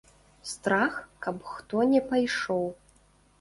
Страх, каб хто не пайшоў.